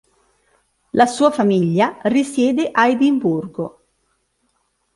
La sua famiglia risiede a Edimburgo.